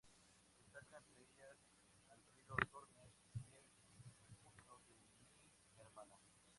Destacan entre ellas "Al río Tormes" y "El sepulcro de mi hermana".